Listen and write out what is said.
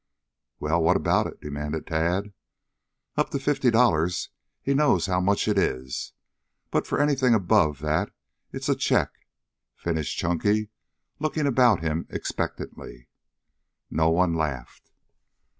"Well, what about it?" demanded Tad. "Up to fifty dollars, he knows how much it is, but for anything above that it's a check," finished Chunky, looking about him expectantly. No one laughed.